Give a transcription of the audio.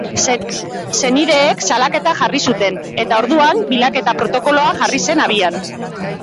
Senideek salaketa jarri zuten, eta orduan bilaketa protokoloa jarri zen abian.